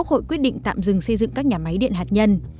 các nhà máy điện hạt nhân